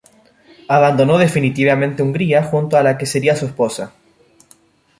Abandonó definitivamente Hungría junto a la que sería su esposa.